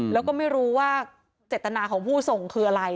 แล้วก็ไม่รู้ว่าเจตนาของผู้ส่งคืออะไร